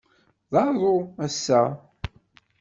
D aḍu, ass-a.